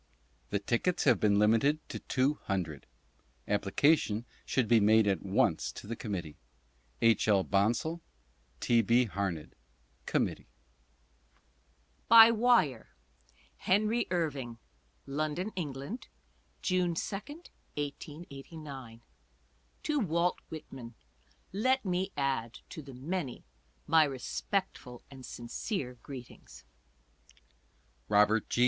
The Tickets have been limited to Two Hundred. Application should be made at once to the Committee. H. L. BONSALL, T. B. HARNED, Committee. Address Camden, N. J. (7o) BY "WIRE: Henry Irving : London, England, June 2, 1889. To Walt Whitman — Let me add to the many my respectful and sincere greetings. Robert G.